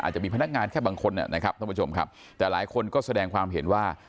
จะมีพนักงานแค่บางคนนะครับท่านผู้ชมครับแต่หลายคนก็แสดงความเห็นว่า